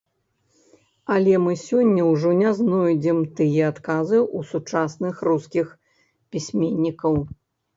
Але мы сёння ўжо не знойдзем тыя адказы у сучасных рускіх пісьменнікаў.